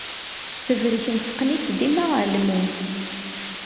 Tebrek netteqqen-itt dima ɣer lmut.